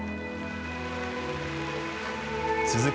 続く